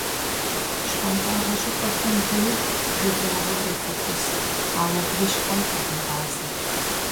Щхуантӏагъэ щӀыпӀэхэм деж жылагъуэурэ фытӀыс, ауэ бгыщхьэм къэвмыгъазэ.